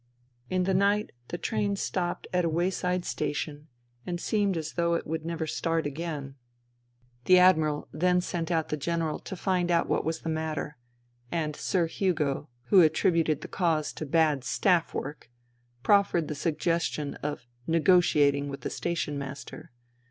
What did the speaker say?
In the night the train stopped at a wayside station and seemed as though it would never start again. 150 FUTILITY The Admiral then sent out the General to find out what was the matter, and Sir Hugo, who attributed the cause to " bad staff work," proffered the sugges tion of " negotiating " with the station master.